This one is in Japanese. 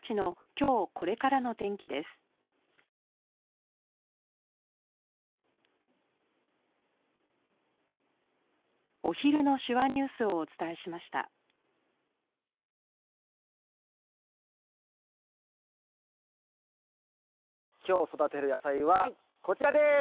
今日育てる野菜はこちらです。